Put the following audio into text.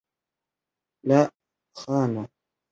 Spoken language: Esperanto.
La ĥano!